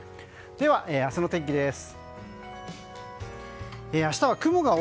では、明日の天気です。